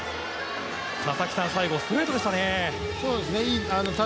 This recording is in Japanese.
最後ストレートでしたね。